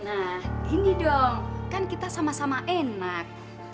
nah gini dong kan kita sama sama enak